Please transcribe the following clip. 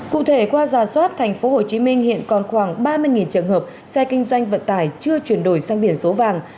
cụ thể qua giả soát tp hcm hiện còn khoảng ba mươi trường hợp xe kinh doanh vận tải chưa chuyển đổi sang biển số vàng